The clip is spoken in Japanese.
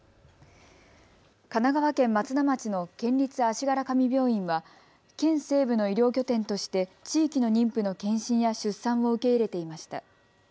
神奈川県松田町の県立足柄上病院は県西部の医療拠点として地域の妊婦の検診や出産を受け入れていました。